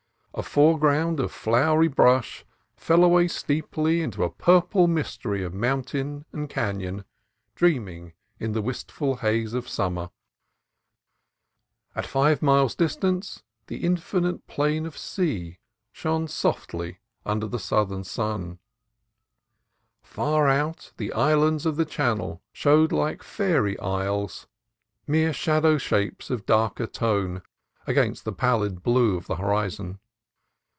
A fore ground of flowery brush fell away steeply into a pur ple mystery of mountain and canon, dreaming in the wistful haze of summer: at five miles' distance the infinite plain of sea shone softly under the southern sun; far out the islands of the channel showed like fairy isles, mere shadow shapes of darker tone against the pallid blue of the horizon.